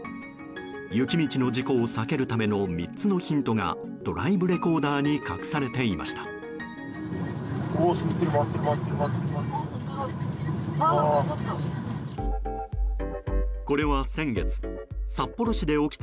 雪道の事故を避けるための３つのヒントがドライブレコーダーに隠されていました。